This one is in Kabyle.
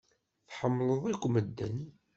Tḥemmleḍ akk medden.